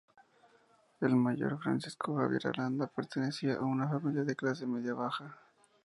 El mayor Francisco Javier Arana pertenecía a una familia de clase media baja.